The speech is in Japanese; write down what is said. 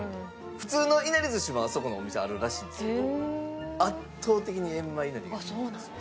普通のいなり寿司もあそこのお店あるらしいんですけど圧倒的に閻魔いなりが人気だそうです。